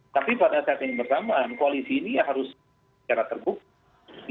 tapi pada saat yang bersamaan koalisi ini harus secara terbuka